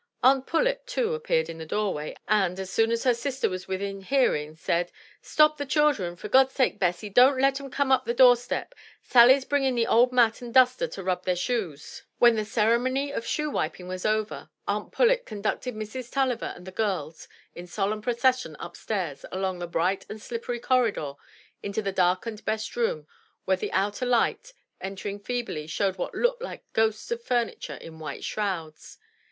Aunt Pullet, too, appeared at the doorway, and, as soon as her sister was within hearing, said, *'Stop the children, for God's sake, Bessy! don't let 'em come up the door step; Sally's bringing the old mat and the duster to rub their shoes!" 230 THE TREASURE CHEST When the ceremony of shoe wiping was over, Aunt Pullet con ducted Mrs. Tulliver and the girls in solemn procession upstairs along the bright and slippery corridor into the darkened best room where the outer light, entering feebly, showed what looked like the ghosts of furniture in white shrouds.